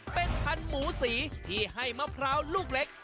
เป็นพันธุ์หมูสีที่ให้มะพร้าวลูกเล็ก